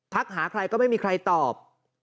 หาใครก็ไม่มีใครตอบ